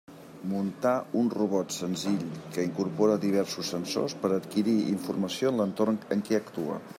Muntar un robot senzill que incorpore diversos sensors per a adquirir informació en l'entorn en què actua.